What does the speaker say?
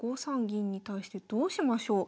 銀に対してどうしましょう？